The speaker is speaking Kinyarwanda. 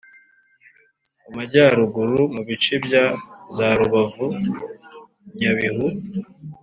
Mu Majyaruguru mu bice bya za Rubavu, Nyabihu